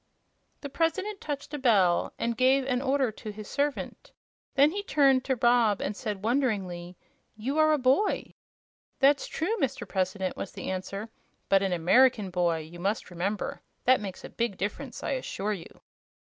The President touched a bell and gave an order to his servant. Then he turned to Rob and said, wonderingly: "You are a boy!" "That's true, Mr. President," was the answer; "but an American boy, you must remember. That makes a big difference, I assure you."